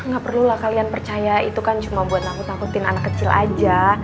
gak perlulah kalian percaya itu kan cuma buat nakut nakutin anak kecil aja